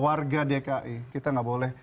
warga dki kita nggak boleh